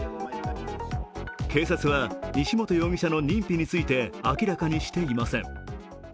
警察は、西本容疑者の認否について明らかにしていません。